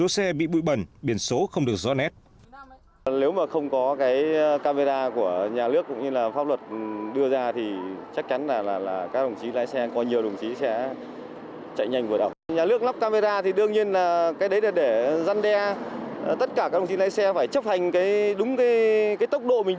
sáu xe bị bụi bẩn biển số không được rõ nét